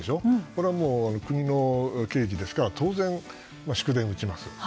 これはもう、国の慶事ですから当然、祝電を打ちます。